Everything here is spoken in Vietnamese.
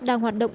đang hoạt động